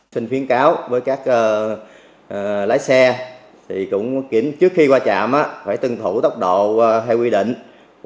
xin khuyến cáo với các lái xe thì cũng kiểm trước khi qua trạm phải tân thủ tốc độ theo quy định